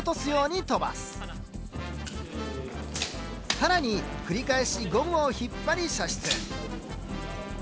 更に繰り返しゴムを引っ張り射出。